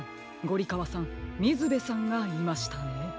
ゴリかわさんみずべさんがいましたね。